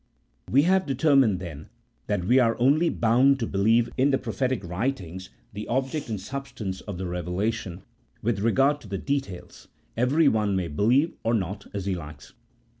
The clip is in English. We have determined, then, that we are only bound to believe in the prophetic writings, the object and substance CHAP. II.] OF PROPHETS. 41 of the revelation ; with regard to the details, every one may believe or not, as he likes.